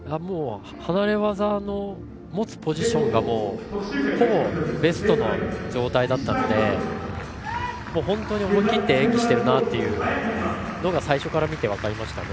離れ技の持つポジションがほぼベストの状態だったので思い切って演技しているのが最初から見て分かりました。